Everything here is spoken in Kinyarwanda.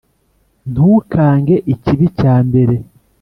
ntukange ikibi cya mbere.